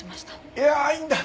いやいいんだ。